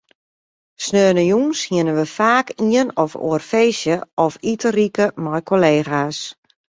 Sneontejûns hiene we faak ien of oar feestje of iterijke mei kollega's.